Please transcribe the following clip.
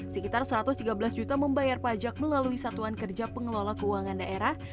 sekitar satu ratus tiga belas juta membayar pajak melalui satuan kerja pengelola keuangan daerah